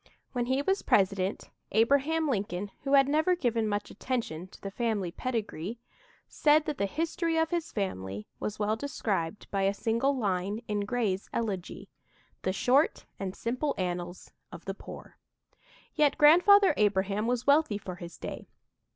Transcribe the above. When he was President, Abraham Lincoln, who had never given much attention to the family pedigree, said that the history of his family was well described by a single line in Gray's "Elegy": "The short and simple annals of the poor." Yet Grandfather Abraham was wealthy for his day.